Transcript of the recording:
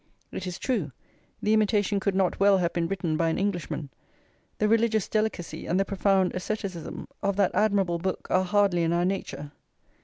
It is true, the Imitation could not well have been written by an Englishman; the religious delicacy and the profound asceticism of that admirable book are hardly in our nature.